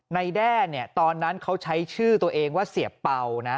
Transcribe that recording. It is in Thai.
แด้เนี่ยตอนนั้นเขาใช้ชื่อตัวเองว่าเสียเป่านะ